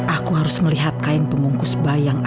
aku masih penasaran